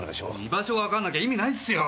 居場所わからなきゃ意味ないっすよ！